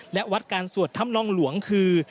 และวัดการสวดธรรมนองหลวงคือ